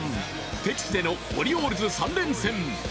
敵地でのオリオールズ３連戦。